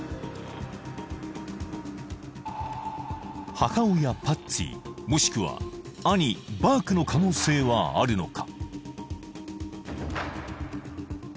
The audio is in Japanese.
母親・パッツィもしくは兄・バークの可能性はあるのか？